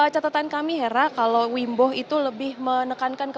catatan kami hera kalau wimbo itu lebih menekankan